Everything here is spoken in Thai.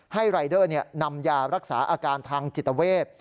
รายเดอร์นำยารักษาอาการทางจิตเวท